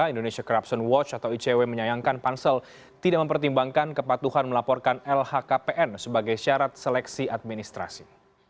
indonesia corruption watch atau icw menyayangkan pansel tidak mempertimbangkan kepatuhan melaporkan lhkpn sebagai syarat seleksi administrasi